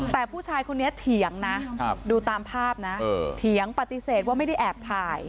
แต่ผู้ชายคนนี้เถียงนะดูตามภาพนะเถียงปฏิเสธว่าไม่ได้แอบถ่าย